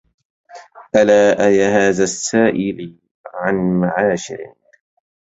ألا أيهذا السائلي عن معاشر